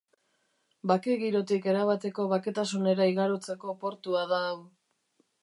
Bake girotik erabateko baketasunera igarotzeko portua da hau.